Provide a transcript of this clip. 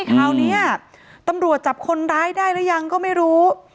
คราวนี้ตำรวจจับคนร้ายได้หรือยังก็ไม่รู้